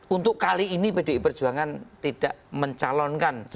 untuk kali ini pdi perjuangan tidak mencalonkan